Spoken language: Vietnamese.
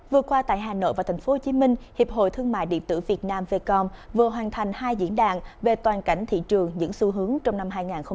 vừa qua tại hà nội và tp hcm hiệp hội thương mại điện tử việt nam vcom vừa hoàn thành hai diễn đàn về toàn cảnh thị trường những xu hướng trong năm hai nghìn hai mươi bốn